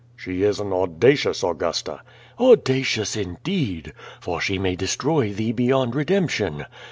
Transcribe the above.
"She is an audacious Augusta." "Audacious indeed! For she may destroy thee beyond redemption.